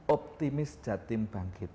optimis jatim bangkit